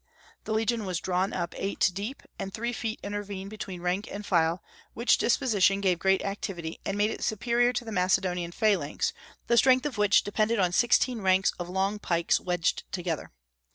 The legion was drawn up eight deep, and three feet intervened between rank and file, which disposition gave great activity, and made it superior to the Macedonian phalanx, the strength of which depended on sixteen ranks of long pikes wedged together.